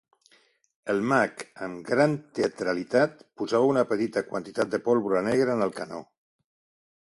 El mag, amb gran teatralitat, posava una petita quantitat de pólvora negra en el canó.